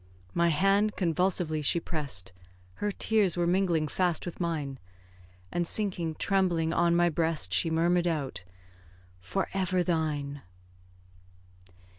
My hand convulsively she press'd, Her tears were mingling fast with mine; And, sinking trembling on my breast, She murmur'd out, "For ever thine!"